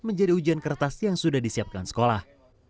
menjadi ujian kertas yang sudah disiapkan sekolah